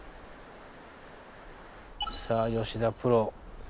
さあ吉田プロ。